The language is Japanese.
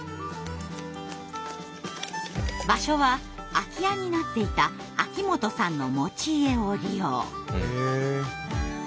場所は空き家になっていた秋元さんの持ち家を利用。